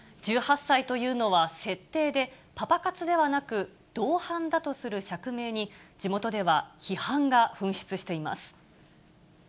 １８歳というのは設定で、パパ活ではなく、同伴だとする釈明に、地元では批判が噴出しています。